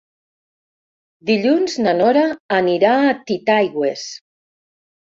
Dilluns na Nora anirà a Titaigües.